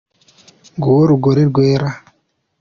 Nguwo rugore rwera